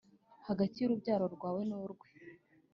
hagati y’urubyaro rwawe n’urwe